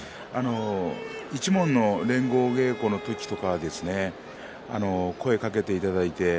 一門の連合稽古の時とか声をかけていただいて。